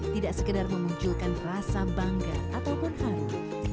tidak sekedar memunculkan rasa bangga atau berharga